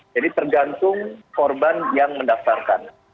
jadi tergantung korban yang mendaftarkan